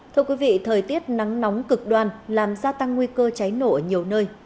thưa quý vị thời tiết nắng nóng cực đoan làm gia tăng nguy cơ cháy nổ ở nhiều nơi